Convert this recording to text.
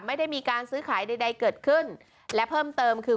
ไม่ได้มีการซื้อขายใดใดเกิดขึ้นและเพิ่มเติมคือ